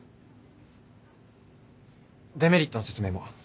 デメリットの説明も。